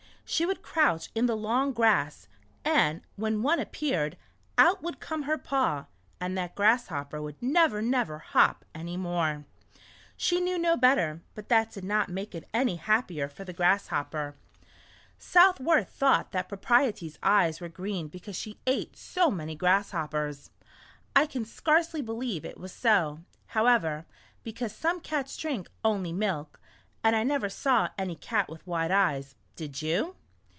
She would crouch in the long grass, and when one appeared, out would come her paw, and that grasshopper would never, never hop any more. She knew no better, but that did not make it any happier for the grasshopper. 119 I20 A Grasshopper's Trip to the City. Southworth thought that Propriety's eyes were green because she ate so many grasshoppers. I can scarcely believe it was so, however, because some cats drink only milk, and I never saw any cat with white eyes, did you